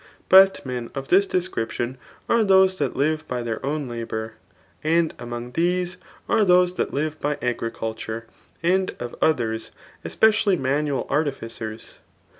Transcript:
But men of this descripdon are those that live by their own labour; and among these are those that live by agriculture, and of others, especially manual artificeis.